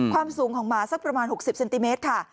ความสูงของหมาสักประมาณ๖๐เซนติเมตรค่ะ